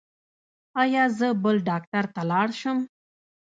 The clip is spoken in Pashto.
ایا زه بل ډاکټر ته لاړ شم؟